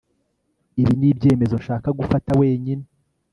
ibi nibyemezo nshaka gufata wenyine